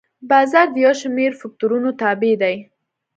بازار د یو شمېر فکتورونو تابع دی.